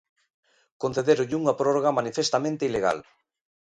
Concedéronlle unha prórroga manifestamente ilegal.